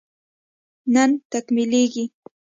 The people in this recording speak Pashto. نن تکميلېږي